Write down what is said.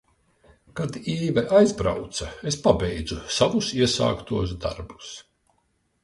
Kad Īve aizbrauca, es pabeidzu savus iesāktos darbus.